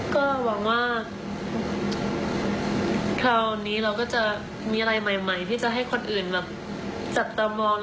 ก็หวังว่าคราวนี้เราก็จะมีอะไรใหม่ที่จะให้คนอื่นแบบจับตามอง